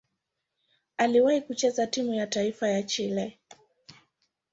Aliwahi kucheza timu ya taifa ya Chile.